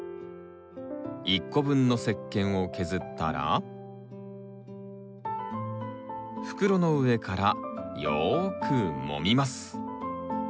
１個分の石けんを削ったら袋の上からよくもみます。